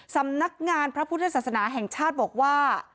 สำนักงานพระพุทธศาสนาแห่งชาติบอกว่า